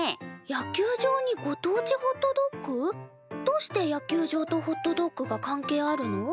野球場にご当地ホットドッグ？どうして野球場とホットドッグが関係あるの？